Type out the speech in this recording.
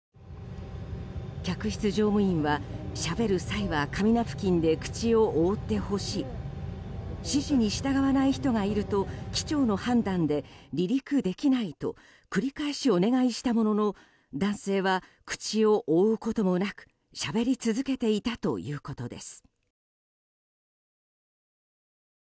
客室乗務員はしゃべる際は紙ナプキンで口を覆ってほしい指示に従わない人がいると機長の判断で離陸できないと繰り返しお願いしたものの男性は口を覆うこともなくしゃべり続けていたということです。